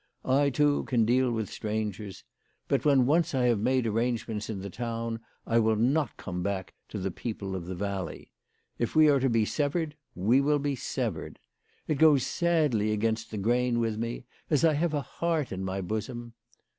I too can deal with strangers. But when once I have made arrangements in the town, I will not come back to the people of the valley. If we are to be severed, we will be severed. It goes sadly against the grain with me, as I have a heart in my bosom."